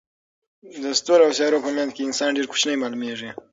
د ستورو او سیارو په منځ کې انسان ډېر کوچنی معلومېږي.